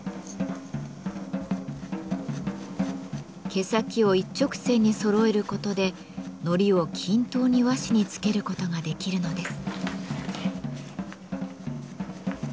毛先を一直線に揃えることで糊を均等に和紙につけることができるのです。